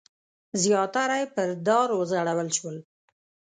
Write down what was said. زیاتره یې پر دار وځړول شول.